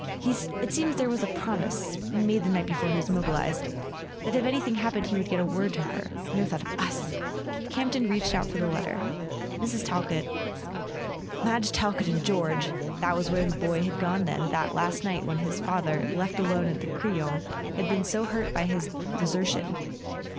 .. It seems there was a promise—made the night before he was mobilised—that if anything happened he would get word to her. .. No thought of us!" She began to whimper. Campton reached out for the letter. Mrs. Talkett— Madge Talkett and George! That was where the boy had gone then, that last night when his father, left alone at the Crillon, had been so hurt by his deser¬ tion